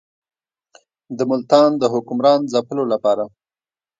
د ملتان د حکمران ځپلو لپاره.